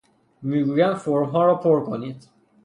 می گویند فرم ها را پر کنید.